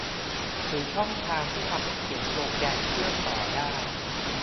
หรือช่องทางที่ทำให้เขียนโปรแกรมเชื่อมต่อได้